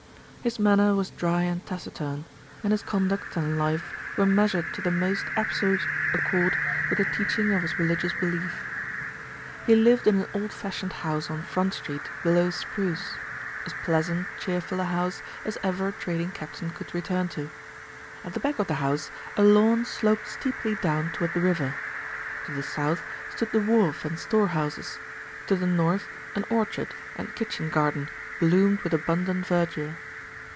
His manner was dry and taciturn, and his conduct and life were measured to the most absolute accord with the teachings of his religious belief. He lived in an old fashioned house on Front Street below Spruce as pleasant, cheerful a house as ever a trading captain could return to. At the back of the house a lawn sloped steeply down toward the river. To the south stood the wharf and storehouses; to the north an orchard and kitchen garden bloomed with abundant verdure.